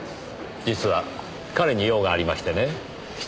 実は彼に用がありましてね。